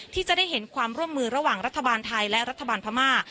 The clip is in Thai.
ที่จะได้เห็นความร่วมมือระหว่างรัฐบาลไทยและรัฐบาลพม่า